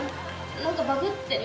何かバグってる？